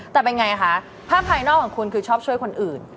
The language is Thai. แต่เป็นไงคะภาพภายนอกของคุณคือชอบช่วยคนอื่น